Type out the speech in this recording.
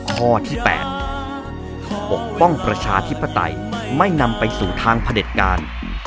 ข้อที่๘ปกป้องประชาธิปไตยไม่นำไปสู่ทางพระเด็จการ